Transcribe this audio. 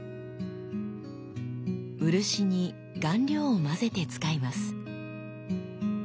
漆に顔料を混ぜて使います。